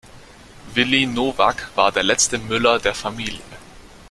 Willy Nowak war der letzte Müller der Familie.